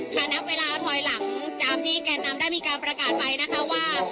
นับเวลาถอยหลังจากที่แกนนำได้มีการประกาศไปนะคะว่า